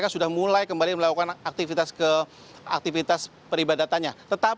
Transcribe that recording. sudah mulai kembali melakukan aktivitas peribadatannya